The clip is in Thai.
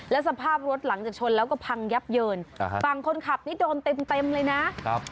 แล้วสภาพรถหลังจากชนแล้วก็พังยับเยินฝั่งคนขับนี่โดนเต็มเต็มเลยนะครับ